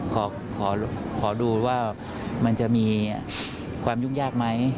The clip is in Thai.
ขอดูว่ามันจะมีความยุ่งยากไหม